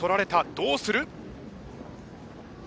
どうする！？